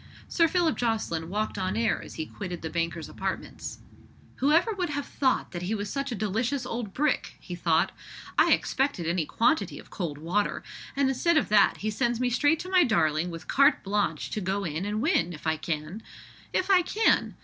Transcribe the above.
Sir Philip Jocelyn walked on air as he quitted the banker's apartments. "Who ever would have thought that he was such a delicious old brick?" he thought. "I expected any quantity of cold water; and instead of that, he sends me straight to my darling with carte blanche to go in and win, if I can. If I can!